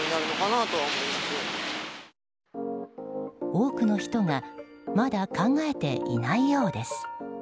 多くの人がまだ考えていないようです。